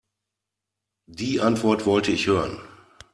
Die Antwort wollte ich hören.